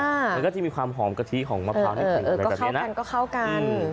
มันก็จะมีความหอมกะทิของมะพร้าวนิดนึงก็คล้ายกันก็เข้ากัน